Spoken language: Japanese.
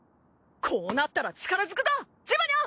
こうなったら力ずくだジバニャン！